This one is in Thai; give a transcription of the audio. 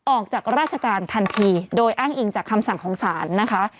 ออกจากราชการทันทีโดยอ้างอิงจากคำสั่งของศาลนะคะ